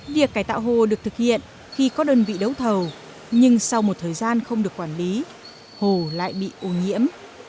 việc cải tạo hồ được thực hiện khi có đơn vị đấu thầu nhưng sau một thời gian không được quản lý hồ lại bị ô nhiễm